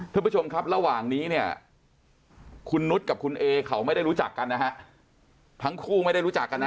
ท่านผู้ชมครับระหว่างนี้เนี่ยคุณนุษย์กับคุณเอเขาไม่ได้รู้จักกันนะฮะทั้งคู่ไม่ได้รู้จักกันนะ